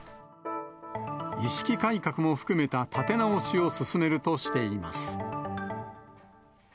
意識改革も含めた立て直しを進めるとしています。